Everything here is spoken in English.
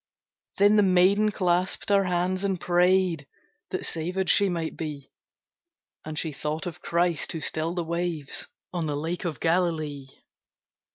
Then the maiden clasped her hands and prayed That savèd she might be; And she thought of Christ, who stilled the waves On the Lake of Galilee.